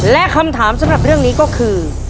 และคำถามสำหรับเรื่องนี้ก็คือ